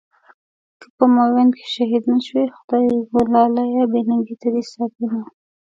که په ميوند کې شهيد نه شوې، خدایږو لاليه بې ننګۍ ته دې ساتينه